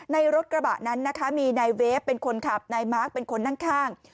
ในรถกระบะนั้นนะคะมีนายเวฟเป็นคนขับนายมาร์คเป็นคนนั่งข้าง